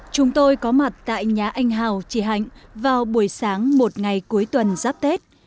chúng tôi có mặt tại nhà anh hào chị hạnh vào buổi sáng một ngày cuối tuần giáp tết